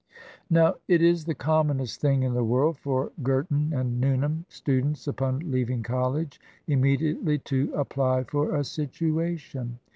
Now, it is the commonest thing in the world for Girton and Newnham students upon leaving college im mediately to apply for a situation."